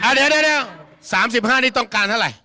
เดี๋ยว๓๕นี่ต้องการเท่าไหร่